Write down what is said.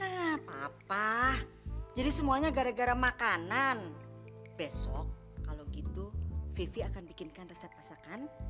apa apa jadi semuanya gara gara makanan besok kalau gitu vivi akan bikinkan resep masakan